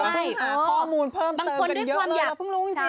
พอมูลเพิ่มเจอกันเยอะเลยเราเพิ่งรู้ไม่ได้